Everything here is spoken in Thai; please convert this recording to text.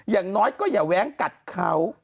อย่างน้อยก็อย่าแว้งกัดเขา